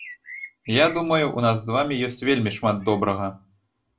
Я думаю, у нас з вамі ёсць вельмі шмат добрага.